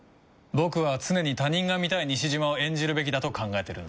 僕は常に他人が見たい西島を演じるべきだと考えてるんだ。